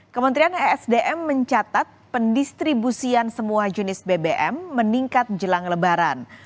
kementerian esdm mencatat pendistribusian semua jenis bbm meningkat jelang lebaran